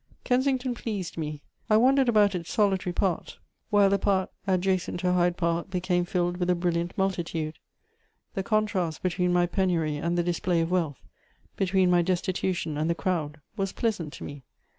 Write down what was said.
Kensington pleased me; I wandered about its solitary part, while the part adjacent to Hyde Park became filled with a brilliant multitude. The contrast between my penury and the display of wealth, between my destitution and the crowd, was pleasant to me.